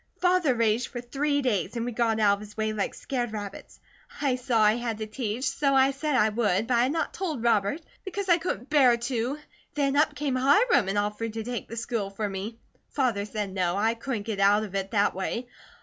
Father raged for three days and we got out of his way like scared rabbits. I saw I had to teach, so I said I would, but I had not told Robert, because I couldn't bear to. Then up came Hiram and offered to take the school for me. Father said no, I couldn't get out of it that way.